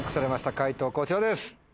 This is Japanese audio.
解答こちらです。